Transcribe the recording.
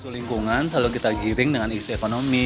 isu lingkungan selalu kita giring dengan isu ekonomi